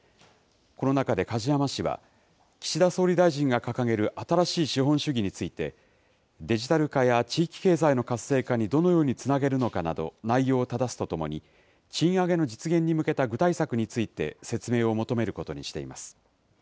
この中で梶山氏は、岸田総理大臣が掲げる新しい資本主義について、デジタル化や地域経済の活性化にどのようにつなげるのかなど、内容をただすとともに、賃上げの実現に向けた具体策について説明を求めることにしています。